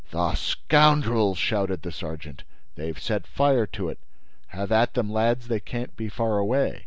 "The scoundrels!" shouted the sergeant. "They've set fire to it. Have at them, lads! They can't be far away!"